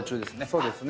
そうですね。